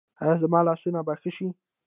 ایا زما لاسونه به ښه شي؟